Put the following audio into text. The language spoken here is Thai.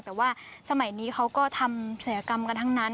แต่ว่าสมัยนี้เขาก็ทำศัลยกรรมกันทั้งนั้น